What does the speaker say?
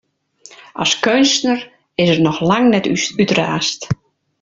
As keunstner is er noch lang net útraasd.